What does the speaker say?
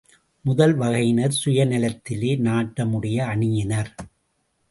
முதல் வகையினர் சுயநலத்திலே நாட்டமுடைய அணியினர்.